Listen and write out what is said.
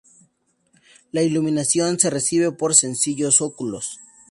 La iluminación se recibe por sencillos óculos.